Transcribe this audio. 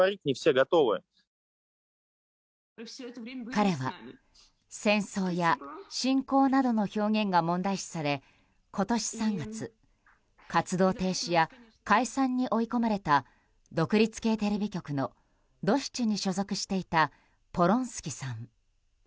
彼は、戦争や侵攻などの表現が問題視され今年３月、活動停止や解散に追い込まれた独立系テレビ局のドシチに所属していたポロンスキさん。